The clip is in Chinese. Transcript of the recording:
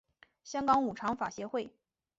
香港五常法协会